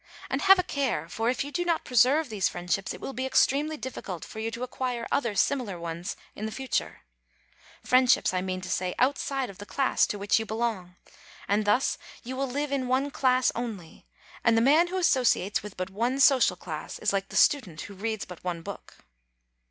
And have a care; for if you do not preserve these friendships, it will be extremely difficult for you to acquire other similar ones in the future, friendships, I mean to say, outside of the class to which you belong; and thus you will live in one class only; and the man who associates with but one social class is like the student who reads but one book.